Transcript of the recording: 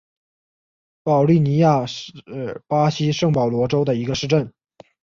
保利尼亚是巴西圣保罗州的一个市镇。